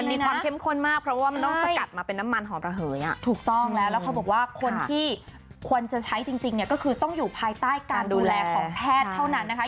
มีความเข้มข้นมากเพราะว่ามันต้องสกัดมาเป็นน้ำมันหอมระเหยอ่ะถูกต้องแล้วแล้วเขาบอกว่าคนที่ควรจะใช้จริงเนี่ยก็คือต้องอยู่ภายใต้การดูแลของแพทย์เท่านั้นนะคะ